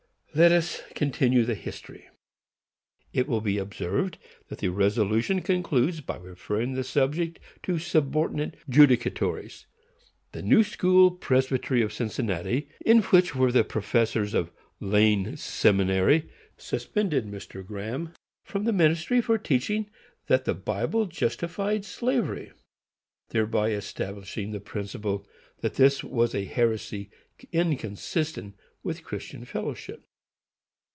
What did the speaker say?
Let us continue the history. It will be observed that the resolution concludes by referring the subject to subordinate judicatories. The New School Presbytery of Cincinnati, in which were the professors of Lane Seminary, suspended Mr. Graham from the ministry for teaching that the Bible justified slavery; thereby establishing the principle that this was a heresy inconsistent with Christian fellowship.